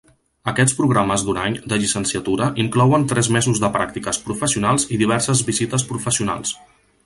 Aquests programes d'un any de llicenciatura inclouen tres mesos de pràctiques professionals i diverses visites professionals.